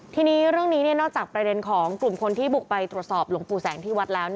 ทีนี้เรื่องนี้นอกจากประเด็นของกลุ่มคนที่บุกไปตรวจสอบหลวงปู่แสงที่วัดแล้ว